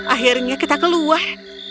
akhirnya kita keluar